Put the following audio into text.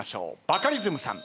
バカリズムさん